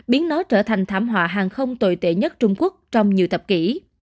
biến nó trở thành thảm họa hàng không tồi tệ nhất trung quốc trong nhiều thập kỷ